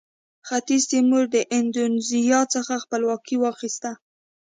ختیځ تیمور د اندونیزیا څخه خپلواکي واخیسته.